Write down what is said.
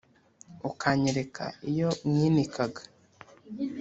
ukanyereka iyo mwinikaga